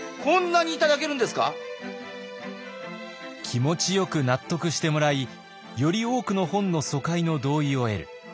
気持ちよく納得してもらいより多くの本の疎開の同意を得る。